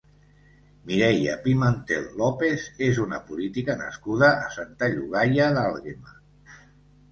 Mireia Pimentel López és una política nascuda a Santa Llogaia d'Àlguema.